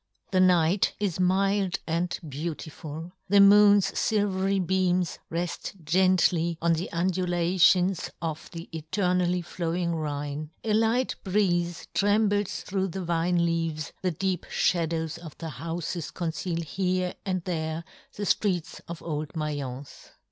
The night is mild and beautiful, the moon's filvery beams reft gently on the undulations 2 8 yohn Gutenberg. of the eternally flowing Rhine, a light breeze trembles through the vine leaves, the deep fhadows of the houfes conceal here and there the ftreets of old Maience.